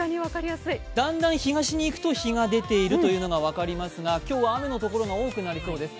だんだん東にいくと日が出ているというのが分かりますが今日は雨の所が多くなりそうです。